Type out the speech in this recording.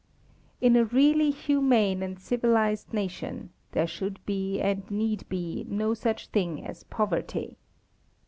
In a really humane and civilised nation: There should be and need be no such thing as poverty.